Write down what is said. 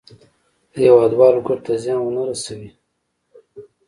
د هېوادوالو ګټو ته زیان ونه رسوي.